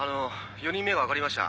４人目が分かりました。